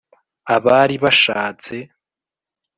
abari bashatse